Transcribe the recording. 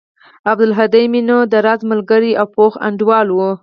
عبدالهادى مې نو د راز ملگرى او پوخ انډيوال و.